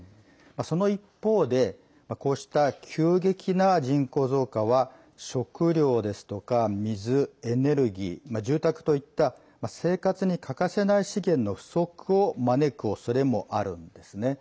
その一方でこうした急激な人口増加は食料ですとか水、エネルギー、住宅といった生活に欠かせない資源の不足を招くおそれもあるんですね。